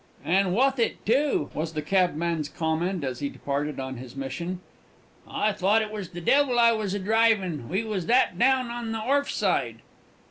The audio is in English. "And wuth it, too," was the cabman's comment, as he departed on his mission. "I thought it was the devil I was a drivin', we was that down on the orfside!"